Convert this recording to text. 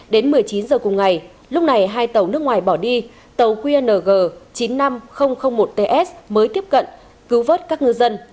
đến một mươi chín h cùng ngày lúc này hai tàu nước ngoài bỏ đi tàu qng chín mươi năm nghìn một ts mới tiếp cận cứu vớt các ngư dân